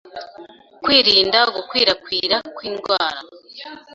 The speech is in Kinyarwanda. kwirinda gukwirakwira kw'indwara